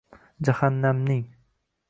Jaxannamning